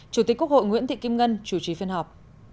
chủ tịch quốc hội nguyễn thị kim ngân chủ trì phiên họp